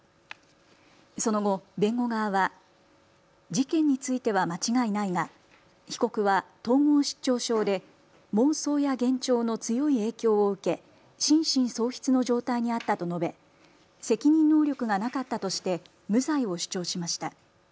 その後、弁護側は事件については間違いないが被告は統合失調症で妄想や幻聴の強い影響を受け心神喪失の状態にあったと述べ責任能力がなかったとして無罪を主張しました。